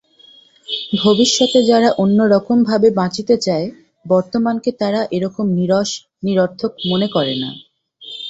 ভবিষ্যতে যারা অন্যরকমভাবে বাঁচিতে চায় বর্তমানকে তারা এরকম নীরস, নিরর্থক মনে করে না।